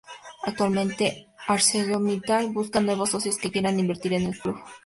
Actualmente, ArcelorMittal busca nuevos socios que quieran invertir en el club.